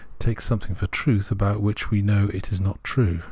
take something for truth about which we know that it is not true.